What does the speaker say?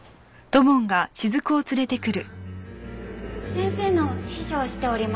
先生の秘書をしております